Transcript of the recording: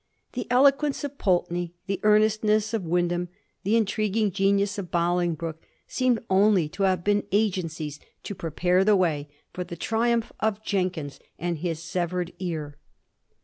The eloquence of Pulteney, the earnestness of Wyndham, the intriguing genius of Bolingbroke, seemed only to have been agencies to prepare the way for the tri umph of Jenkins and his severed ear.